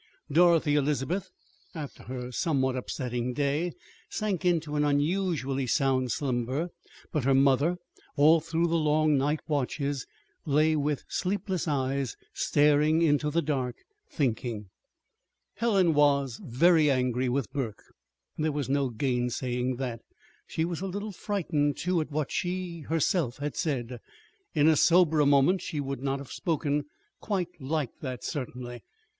Dorothy Elizabeth, after her somewhat upsetting day, sank into an unusually sound slumber; but her mother, all through the long night watches, lay with sleepless eyes staring into the dark, thinking. Helen was very angry with Burke. There was no gainsaying that. She was a little frightened, too, at what she herself had said. In a soberer moment she would not have spoken quite like that, certainly.